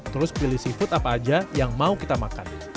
terus pilih seafood apa aja yang mau kita makan